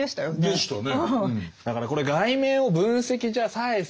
でしたね。